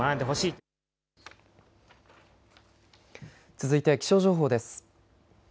続いて気象情報です。